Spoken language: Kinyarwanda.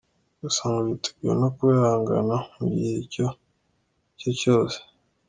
Gusa ngo yiteguye no kuba yahangana mu gihe icyo ari cyo cyose.